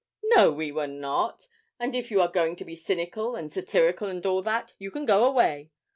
'No, we were not; and if you are going to be cynical, and satirical, and all that, you can go away.